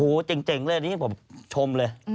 โอ้โหเจ๋งเลยอันนี้ผมชมเลย